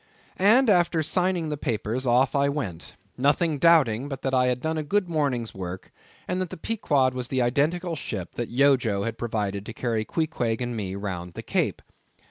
And, after signing the papers, off I went; nothing doubting but that I had done a good morning's work, and that the Pequod was the identical ship that Yojo had provided to carry Queequeg and me round the Cape.